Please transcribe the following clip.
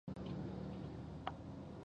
لې لیان ډېره ناکاره ټکنالوژي استعملوي